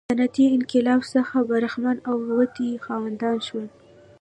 صنعتي انقلاب څخه برخمن او د ودې خاوندان شول.